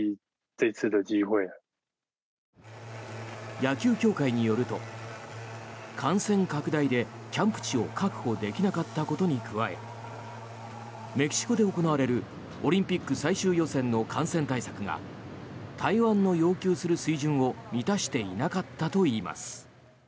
野球協会によると感染拡大でキャンプ地を確保できなかったことに加えメキシコで行われるオリンピック最終予選の感染対策が台湾の要求する水準を満たしていなかったといいます。